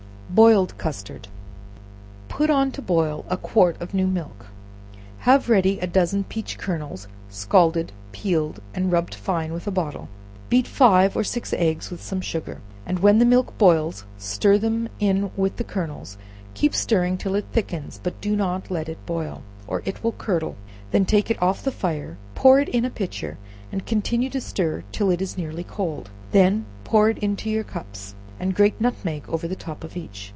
Boiled Custard. Put on to boil a quart of new milk; have ready a dozen peach kernels, scalded, peeled, and rubbed fine with a bottle, beat five or six eggs, with some sugar, and when the milk boils stir them in with the kernels; keep stirring till it thickens, but do not let it boil, or it will curdle; then take it off the fire, pour it in a pitcher, and continue to stir till it is nearly cold, when pour it into your cups, and grate nutmeg over the top of each.